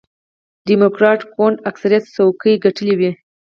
ډیموکراټ ګوند اکثریت څوکۍ ګټلې وې.